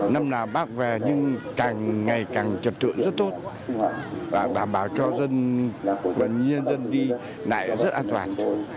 năm nào bác về nhưng càng ngày càng trật tự rất tốt bảo đảm bảo cho dân và nhân dân đi lại rất an toàn